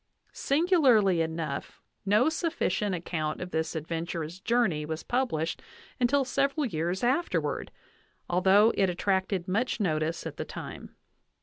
Singularly enough, no sufficient ac count of this adventurous journey was published until several years afterward, although it attracted much notice at the time.